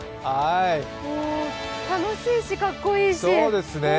楽しいしかっこいいし。